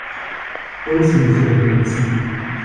Ofen vorheizen.